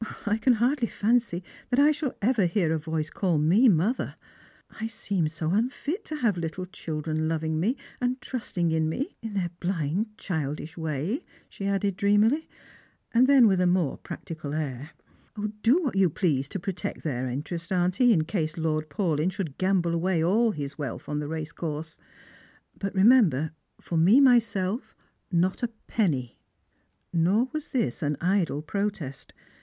I can hardly fancy that I shall ever hear a voice call me mother. I seem so unfit to have little children loving me and trusting in me, in their blind childish way," she added dreamily; and then, with a more practical air: " Do what you please to protect their interests, auntie, in case Lord Paulyn should gamble away all his wealth on the race course ; but remember, for me myself not a penny." Nor was this an idle protest.